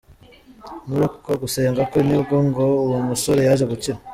Muri uko gusenga kwe, nibwo ngo uwo musore yaje gukira.